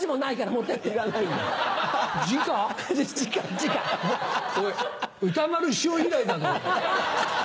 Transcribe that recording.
おい歌丸師匠以来だぞ。